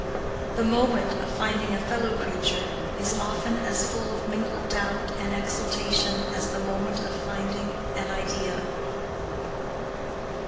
The moment of finding a fellow creature is often as full of mingled doubt and exultation as the moment of finding an idea.